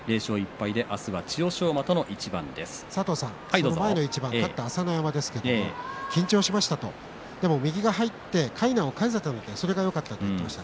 その前の一番勝った朝乃山ですが緊張しましたでも右が入ってかいなを返せたのでそれがよかったと言ってました。